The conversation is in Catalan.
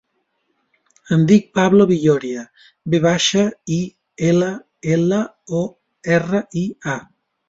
Em dic Pablo Villoria: ve baixa, i, ela, ela, o, erra, i, a.